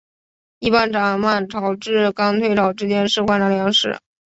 一般涨满潮至刚退潮之间是观察良时。